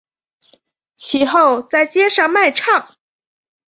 其后在街上卖唱。